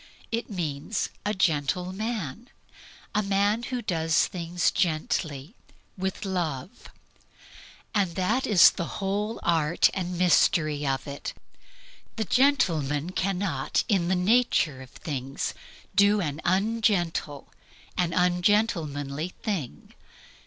It means a gentle man a man who does things gently, with love. That is the whole art and mystery of it. The gentle man cannot in the nature of things do an ungentle, an ungentlemanly thing.